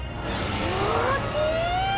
おおきい！